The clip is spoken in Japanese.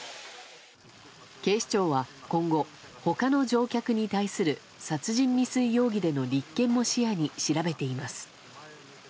警視庁は今後、他の乗客に対する殺人未遂容疑での立件も視野に調べています。